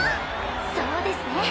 そうですね